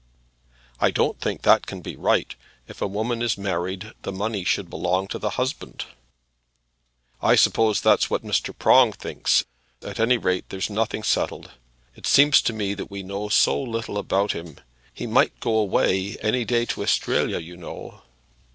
"I don't think that can be right. If a woman is married the money should belong to the husband." "I suppose that's what Mr. Prong thinks; at any rate, there's nothing settled. It seems to me that we know so little about him. He might go away any day to Australia, you know."